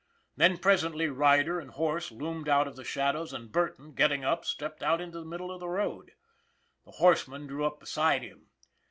Then presently rider and horse loomed out of the shadows and Burton, getting up, stepped out into the middle of the road. The horseman drew up beside him.